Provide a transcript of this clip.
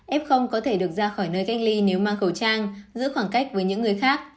ép không có thể được ra khỏi nơi cách ly nếu mang khẩu trang giữ khoảng cách với những người khác